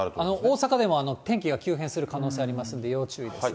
大阪でも天気が急変する可能性がありますので、要注意ですね。